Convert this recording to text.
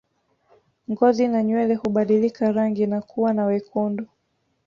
Ngozi na nywele hubadilika rangi na kuwa na wekundu